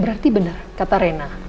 berarti benar kata rena